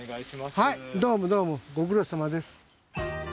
はいどうもどうもご苦労さまです。